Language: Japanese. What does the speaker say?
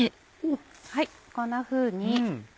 こんなふうに。